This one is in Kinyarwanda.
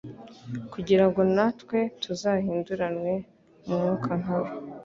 kugira ngo natwe tuzahinduranwe mu mwuka nka we.